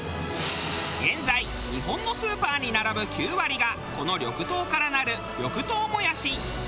現在日本のスーパーに並ぶ９割がこの緑豆からなる緑豆もやし。